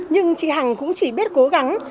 nhưng chị hằng cũng chỉ biết cố gắng